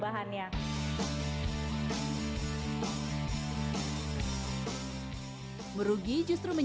kamu bisa tembak